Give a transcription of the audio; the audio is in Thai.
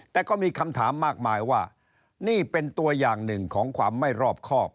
แต่ก็มีคำถามมากมายว่านี่เป็นตัวอย่างหนึ่งของความไม่รอบครอบ